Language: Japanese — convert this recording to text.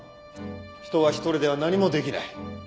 人は一人では何もできない。